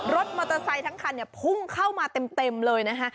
รถมอเตอร์ไซค์ทั้งคันพุ่งเข้ามาเต็มเลยนะคะ